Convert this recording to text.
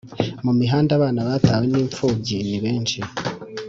mu mihanda abana abatawe n’imfubyi ni benshi